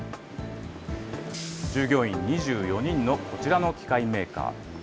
従業員２４人のこちらの機械メーカー。